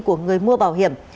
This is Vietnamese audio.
của người mua bảo hiểm